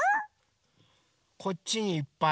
こっちにいっぱい。